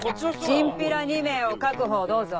チンピラ２名を確保どうぞ。